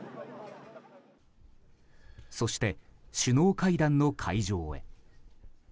そして首脳会談の会場へ。